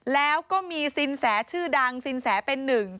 แล้วก็มีสินแสชื่อดังสินแสเป็นหนึ่ง